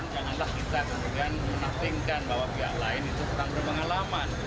janganlah kita menaktingkan bahwa pihak lain itu tentang pengalaman